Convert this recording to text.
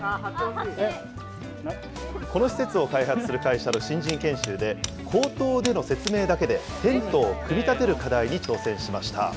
この施設を開発する会社の新人研修で、口頭での説明だけでテントを組み立てる課題に挑戦しました。